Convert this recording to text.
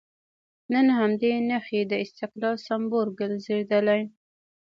نن همدې نښې د استقلال سمبول ګرځېدلي.